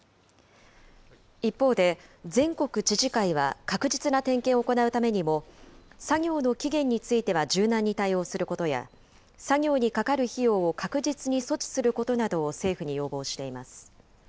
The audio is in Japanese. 一方で、全国知事会は、確実な点検を行うためにも、作業の期限については柔軟に対応することや、作業にかかる費用を確実に措置することなどを政府に要望しています。